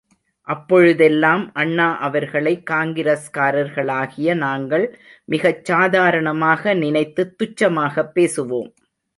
அப்பொழுதெல்லாம் அண்ணா அவர்களை காங்கிரஸ் காரர்களாகிய நாங்கள் மிகச் சாதாரணமாக நினைத்து, துச்சமாகப் பேசுவோம்.